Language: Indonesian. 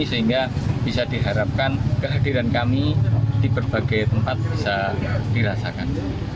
sehingga bisa diharapkan kehadiran kami di berbagai tempat bisa dirasakan